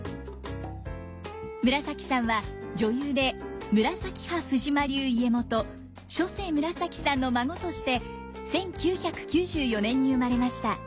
紫さんは女優で紫派藤間流家元初世紫さんの孫として１９９４年に生まれました。